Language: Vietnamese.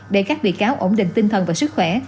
để các bị cáo ổn định tinh thần và sức khỏe